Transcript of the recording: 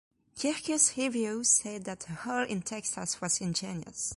"Kirkus Reviews" said that "A Hole In Texas" was "Ingenious.